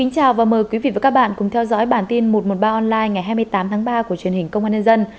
chào mừng quý vị đến với bản tin một trăm một mươi ba online ngày hai mươi tám tháng ba của truyền hình công an nhân dân